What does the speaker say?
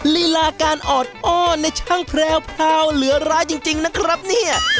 ลีลาการออดอ้อนในช่างแพรวเหลือร้ายจริงนะครับเนี่ย